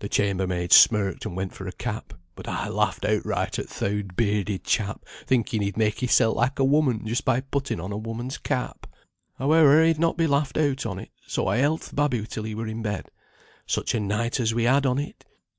"The chambermaid smirked and went for a cap, but I laughed outright at th' oud bearded chap thinking he'd make hissel like a woman just by putting on a woman's cap. Howe'er he'd not be laughed out on't, so I held th' babby till he were in bed. Such a night as we had on it!